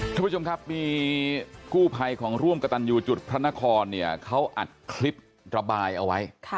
ท่านผู้ชมครับมีกู้ภัยของร่วมกระตันยูจุดพระนครเนี่ยเขาอัดคลิประบายเอาไว้